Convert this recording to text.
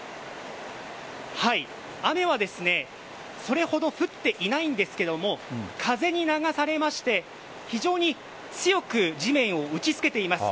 雨はそれほど降っていないんですが風に流されまして非常に強く地面を打ち付けています。